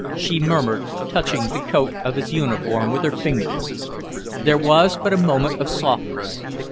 she murmured, touching the coat of his uniform with her fingers. There was but a moment of softness.